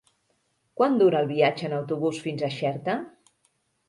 Quant dura el viatge en autobús fins a Xerta?